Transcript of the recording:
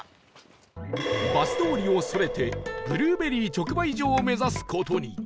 バス通りをそれてブルーベリー直売所を目指す事に